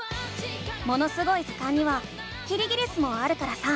「ものすごい図鑑」にはキリギリスもあるからさ